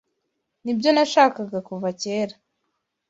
Nibyo nashakaga kuva kera.